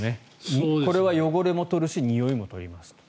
これは汚れも取るしにおいも取りますと。